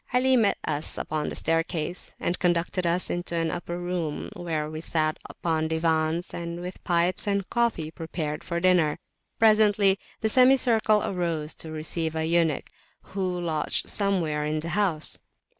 Ali met us upon the staircase, and conducted us into an upper room, where we sat upon diwans, and with pipes and coffee prepared for dinner. Presently the semicircle arose to receive a eunuch, who lodged somewhere in the house.